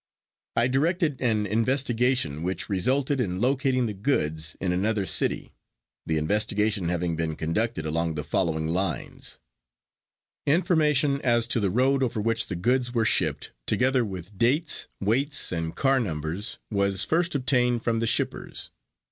I directed an investigation which resulted in locating the goods in another city, the investigation having been conducted along the following lines: Information as to the road over which the goods were shipped, together with dates, weights and car numbers was first obtained from the shippers.